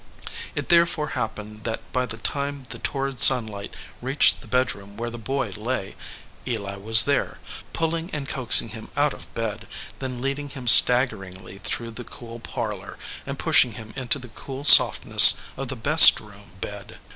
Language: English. It therefore happened that by the time the torrid sunlight reached the bedroom where the boy lay, Eli was there, pulling and coaxing him out of bed, then leading him staggeringly through the cool parlor, and pushing him into the cool softness of the best room bed.